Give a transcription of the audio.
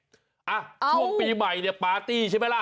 ช่วงปีใหม่ปาร์ตี้ใช่ไหมล่ะ